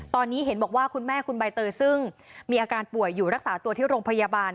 ตอนนี้เห็นบอกว่าคุณแม่คุณใบเตยซึ่งมีอาการป่วยอยู่รักษาตัวที่โรงพยาบาล